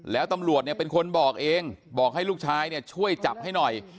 แล้วตำรวจเนี่ยเป็นคนบอกเองบอกให้ลูกชายเนี่ยช่วยจับให้หน่อย